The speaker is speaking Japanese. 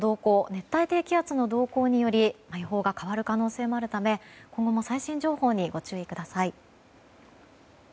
熱帯低気圧の動向により予報が変わる可能性があるため今後の最新情報にご注意ください。